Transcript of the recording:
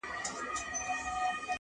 اصلاح نه سو لایې بد کول کارونه,